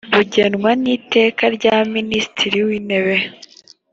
bugenwa n iteka rya minisitiri w intebe